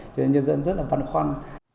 cho nên nhân dân rất là văn khoăn